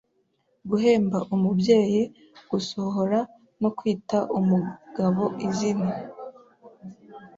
guhemba umubyeyi, gusohora no kwita umugaboizina